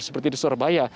seperti di surabaya